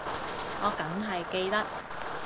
我梗係記得